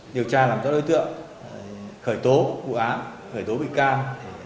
điều tra làm rõ đối tượng khởi tố vụ án khởi tố bị can